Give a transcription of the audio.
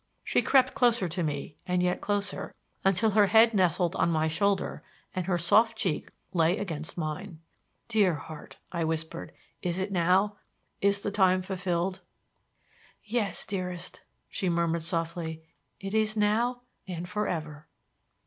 She crept closer to me and yet closer, until her head nestled on my shoulder and her soft cheek lay against mine. "Dear heart," I whispered, "is it now? Is the time fulfilled?" "Yes, dearest," she murmured softly. "It is now and for ever."